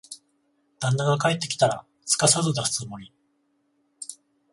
旦那が帰ってきたら、すかさず出すつもり。